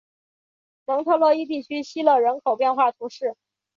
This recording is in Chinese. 蒙特勒伊地区希勒人口变化图示